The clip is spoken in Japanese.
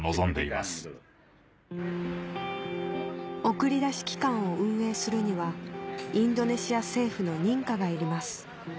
送り出し機関を運営するにはインドネシア政府の認可がいります